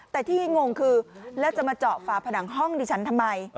แต่ที่งงคือแล้วจะมาเจาะฝาผนังห้องดิฉันทำไม